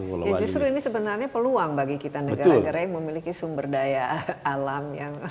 ya justru ini sebenarnya peluang bagi kita negara negara yang memiliki sumber daya alam yang